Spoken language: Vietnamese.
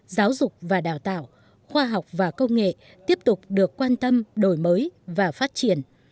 giáo dục và đào tạo khoa học và công nghệ tiếp tục được quan tâm đổi mới và phát triển